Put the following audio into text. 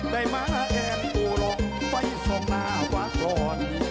ได้ม้าแอดโอรกไฟส่องนาวะกรอน